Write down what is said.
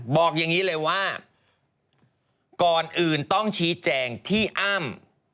บอกอย่างนี้เลยว่าก่อนอื่นต้องชี้แจงที่อ้ำ